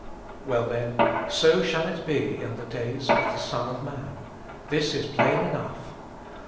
Well, then, "so shall it be in the days of the Son of man." This is plain enough.